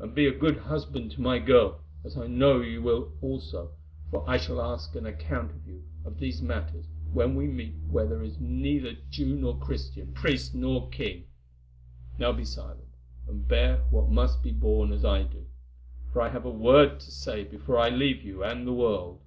And be a good husband to my girl, as I know you will also, for I shall ask an account of you of these matters when we meet where there is neither Jew nor Christian, priest nor king. Now be silent, and bear what must be borne as I do, for I have a word to say before I leave you and the world.